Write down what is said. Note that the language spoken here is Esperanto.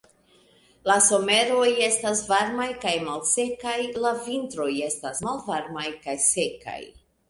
La someroj estas varmaj kaj malsekaj, la vintroj estas malvarmaj kaj sekaj.